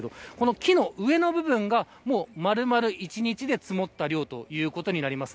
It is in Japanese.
木の上の部分が丸々１日で積もった量ということになります。